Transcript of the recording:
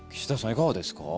いかがですか？